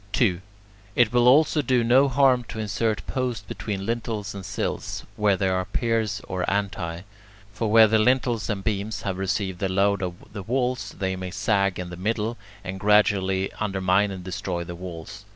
2. It will also do no harm to insert posts between lintels and sills where there are piers or antae; for where the lintels and beams have received the load of the walls, they may sag in the middle, and gradually undermine and destroy the walls.